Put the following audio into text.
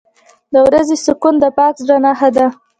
• د ورځې سکون د پاک زړه نښه ده.